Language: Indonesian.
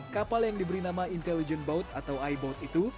kapal yang diberi nama intelligent boat atau iboat itu